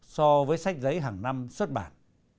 so với sách giấy hàng năm xuất bản